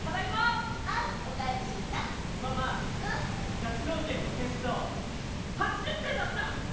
ガチ脳研のテスト８０点だった！